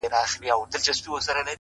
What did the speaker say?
فريادي داده محبت کار په سلگيو نه سي،